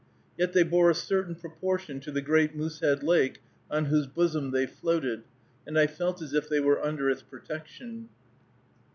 Yet they bore a certain proportion to the great Moosehead Lake on whose bosom they floated, and I felt as if they were under its protection.